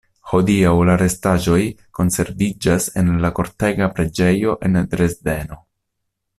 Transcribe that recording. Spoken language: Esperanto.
Hodiaŭ la restaĵoj konserviĝas en la Kortega preĝejo en Dresdeno.